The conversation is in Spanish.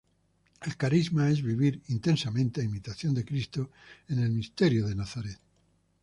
El carisma es vivir intensamente a imitación de Cristo en el misterio de Nazaret.